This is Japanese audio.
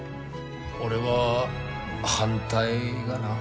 俺は反対がな。